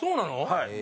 はい。